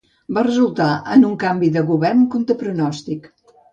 Va resultar en un canvi de govern contra pronòstic.